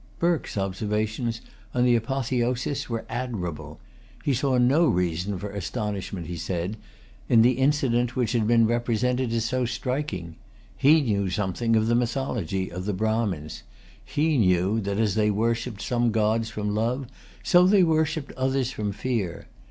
Burke's observations on the apotheosis were admirable. He saw no reason for astonishment, he said, in the incident which had been represented as so striking. He knew something of the mythology of the Brahmins. He knew that as they worshipped some gods from love, so they worshipped others from fear.